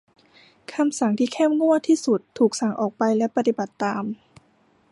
คำสั่งที่เข้มงวดที่สุดถูกสั่งออกไปและปฏิบัติตาม